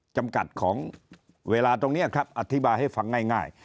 จำกัดของเวลาตรงนี้ครับอธิบายให้ฟังง่าย